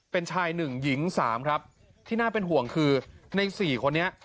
เป็นชายหนึ่งหญิงสามครับที่น่าเป็นห่วงคือในสี่คนนี้